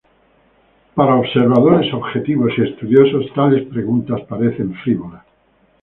Para observadores objetivos y estudiosos tales preguntas parecen frívolas.